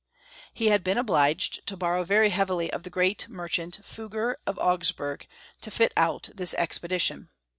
He had been obliged to borrow very heavily of the great merchant, Fugger of Augsburg, to fit out this expedition.